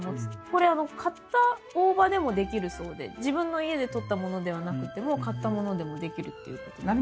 これ買った大葉でもできるそうで自分の家でとったものではなくても買ったものでもできるっていうことです。